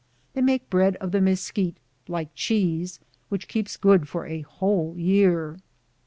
They make bread of the mcsquite, like cheese, which keeps good for a whole year.